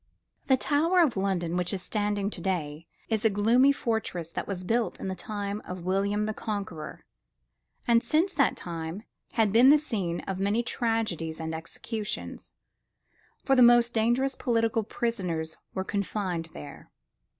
The Tower of London, which is standing to day, is a gloomy fortress that was built in the time of William the Conqueror, and since that time had been the scene of many tragedies and executions, for the most dangerous political prisoners were confined there.